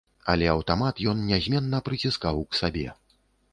Але аўтамат ён нязменна прыціскаў к сабе.